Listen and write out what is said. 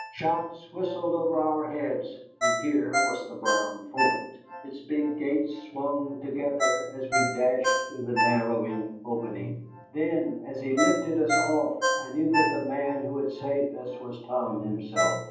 Shots whistled over our heads, and here was the brown fort. Its big gates swung together as we dashed through the narrowed opening. Then, as he lifted us off, I knew that the man who had saved us was Tom himself.